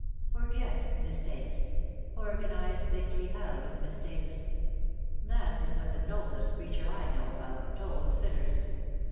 "'Forget mistakes; organise victory out of misr takes!' That is what the noblest preacher I know of told sinners.